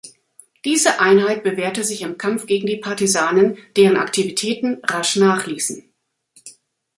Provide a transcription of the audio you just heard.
Diese Einheit bewährte sich im Kampf gegen die Partisanen, deren Aktivitäten rasch nachließen.